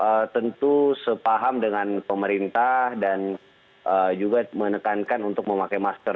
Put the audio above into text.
kita tentu sepaham dengan pemerintah dan juga menekankan untuk memakai masker